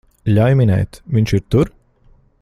Ļauj minēt, viņš ir tur?